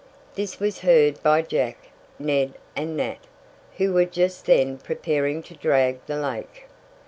This was heard by Jack, Ned and Nat, who were just then preparing to drag the lake.